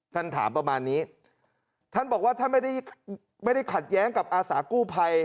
ท่านถามประมาณนี้ท่านบอกว่าท่านไม่ได้ไม่ได้ขัดแย้งกับอาสากู้ภัย